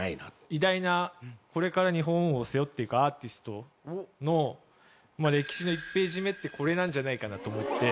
偉大なこれから日本を背負っていくアーティストの歴史の１ページ目ってこれなんじゃないかなと思って。